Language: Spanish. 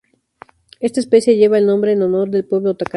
Esta especie lleva el nombre en honor del Pueblo tacana.